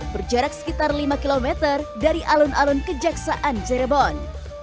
berjarak sekitar lima km dari alun alun kejaksaan cirebon